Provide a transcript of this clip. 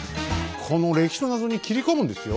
この歴史のナゾに切り込むんですよ？